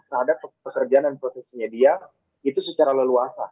terhadap pekerjaan dan potensinya dia itu secara leluasa